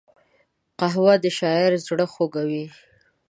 قهوه د شاعر زړه خوږوي